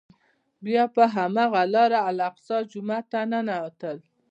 بیا په هماغه لاره الاقصی جومات ته ننوتل.